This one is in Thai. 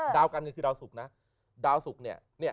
ดาวการเงินคือดาวสุขน่ะ